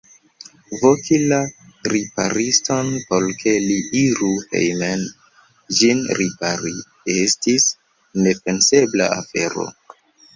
Voki la ripariston, por ke li iru hejmen ĝin ripari, estis nepensebla afero.